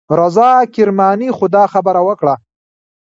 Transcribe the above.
رضا کرماني خو دا خبره وکړه.